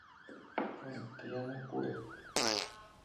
Con Triana Pura